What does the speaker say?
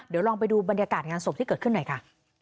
เดี๋ยวลองไปดูบรรยากาศงานศพที่เกิดขึ้นหน่อยค่ะ